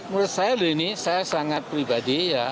menurut saya lini saya sangat pribadi ya